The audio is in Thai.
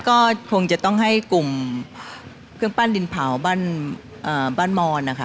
ก็คงจะต้องให้กลุ่มเครื่องปั้นดินเผาบ้านมอนนะคะ